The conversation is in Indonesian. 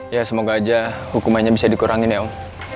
ya semoga aja hukumannya bisa dikurangin ya om